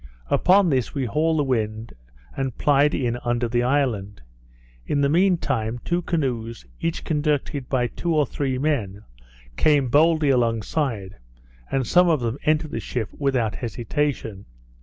Upon this we hauled the wind, and plied in under the island. In the mean time, two canoes, each conducted by two or three men, came boldly alongside; and some of them entered the ship without hesitation.